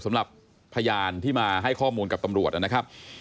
สำหรับพยานที่มาให้ข้อมูลกับตำรวจนะครับ